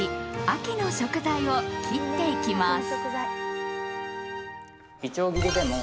秋の食材を切っていきます。